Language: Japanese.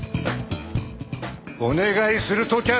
お願いするときゃ